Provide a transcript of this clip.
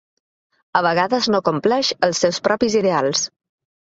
A vegades no compleix els seus propis ideals.